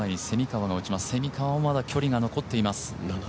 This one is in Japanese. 蝉川もまだ距離が残っています。